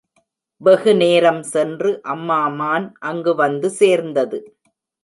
வெகு நேரம் சென்று அம்மா மான் அங்கு வந்து சேர்ந்தது.